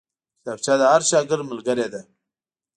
کتابچه د هر شاګرد ملګرې ده